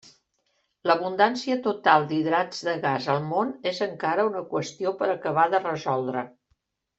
L'abundància total d'hidrats de gas al món és encara una qüestió per acabar de resoldre.